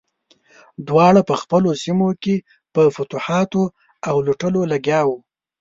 دواړه په خپلو سیمو کې په فتوحاتو او لوټلو لګیا وو.